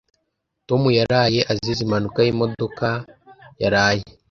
Tom yaraye azize impanuka yimodoka yaraye